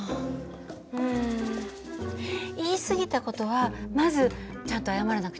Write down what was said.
うん言い過ぎた事はまずちゃんと謝らなくちゃね。